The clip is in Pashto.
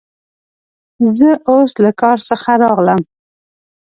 زه اوس له کار څخه راغلم.